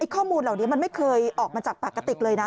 ข้อมูลเหล่านี้มันไม่เคยออกมาจากปกติเลยนะ